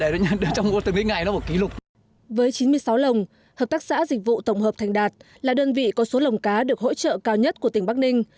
với chín mươi sáu lồng hợp tác xã dịch vụ tổng hợp thành đạt là đơn vị có số lồng cá được hỗ trợ cao nhất của tỉnh bắc ninh